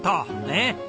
ねえ。